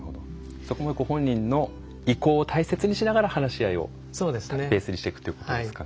そこもご本人の意向を大切にしながら話し合いをベースにしていくということですかね。